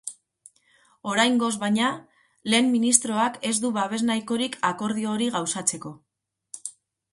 Oraingoz, baina, lehen ministroak ez du babes nahikorik akordio hori gauzatzeko.